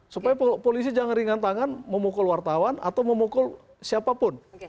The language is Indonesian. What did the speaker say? supaya polisi jangan ringan tangan memukul wartawan atau memukul siapapun